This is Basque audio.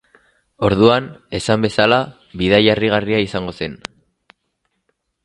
Orduan esan bezala, bidaia harrigarria izango zen.